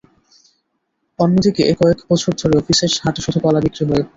অন্যদিকে কয়েক বছর ধরে অফিসের হাটে শুধু কলা বিক্রি হয়ে আসছে।